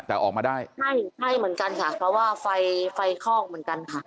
แต่ออกมาได้ใช่ใช่เหมือนกันค่ะเพราะว่าไฟไฟคอกเหมือนกันค่ะ